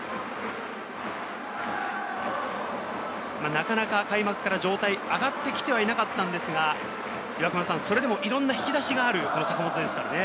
なかなか開幕から状態上がってきてはいなかったんですが、それでもいろんな引き出しがある坂本ですね。